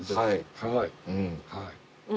はい。